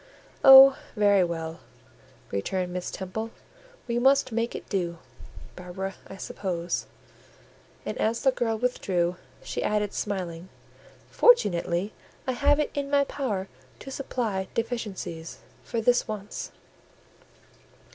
"Oh, very well!" returned Miss Temple; "we must make it do, Barbara, I suppose." And as the girl withdrew she added, smiling, "Fortunately, I have it in my power to supply deficiencies for this once."